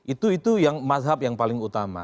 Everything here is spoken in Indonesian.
itu itu yang mazhab yang paling utama